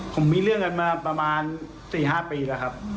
ผมมีเรื่องกันมาประมาณ๔๕ปีแล้วครับ